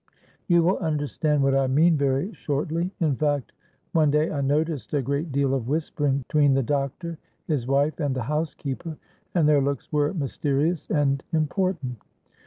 You will understand what I mean very shortly. In fact one day I noticed a great deal of whispering between the doctor, his wife, and the housekeeper; and their looks were mysterious and important.